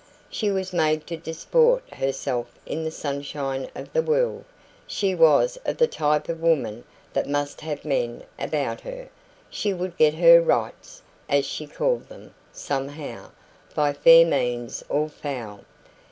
She was made to disport herself in the sunshine of the world; she was of the type of woman that must have men about her; she would get her "rights", as she called them, somehow, by fair means or foul.